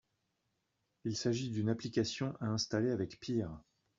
Il s'agit d'une application à installer avec PEAR